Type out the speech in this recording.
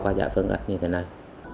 các giải phân cách như thế này